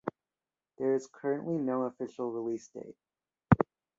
There is currently no official release date.